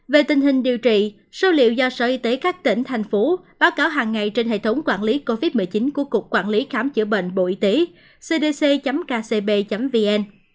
về tình hình điều trị số liệu do sở y tế các tỉnh thành phố báo cáo hàng ngày trên hệ thống quản lý covid một mươi chín của cục quản lý khám chữa bệnh bộ y tế cdc kcb vn